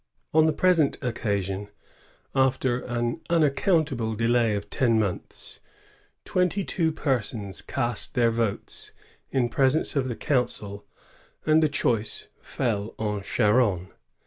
On the present occasion, after an unao* countable delay of ten months, twenty two persons cast their votes in presence of the council, and the choice fell on Charron.